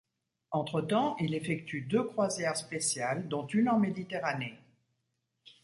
Entre-temps, il effectue deux croisières spéciales, dont une en Méditerranée.